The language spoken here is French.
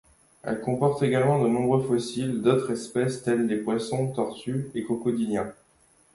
Elle comporte également de nombreux fossiles d'autres espèces telles des poissons, tortues, et crocodiliens.